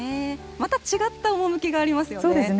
また違ったおもむきがありますよね。